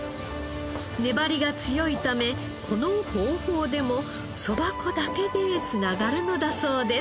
粘りが強いためこの方法でもそば粉だけで繋がるのだそうです。